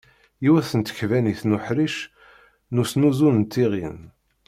Yiwet n tkebannit n uḥric n uznuzu d tiɣin.